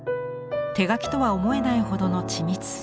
手書きとは思えないほどの緻密さ。